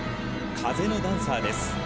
風のダンサーです。